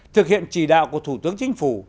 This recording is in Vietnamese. thực hiện chỉ đạo của thủ tướng chính phủ